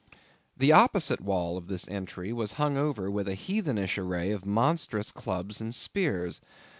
The opposite wall of this entry was hung all over with a heathenish array of monstrous clubs and spears.